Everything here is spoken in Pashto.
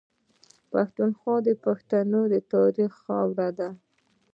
پښتونخوا د پښتنو تاريخي خاوره ده.